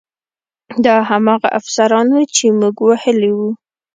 دا هماغه افسران وو چې موږ وهلي وو